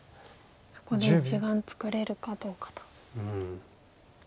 そこで１眼作れるかどうかと。